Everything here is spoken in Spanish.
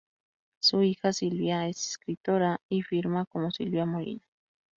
Su hija Silvia, es escritora y firma como Silvia Molina.